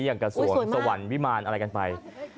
อย่างกระทรวงสวรรค์วิมารอะไรกันไป